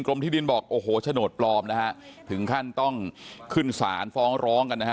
กรมที่ดินบอกโอ้โหโฉนดปลอมถึงขั้นต้องขึ้นศาลฟ้องร้องกัน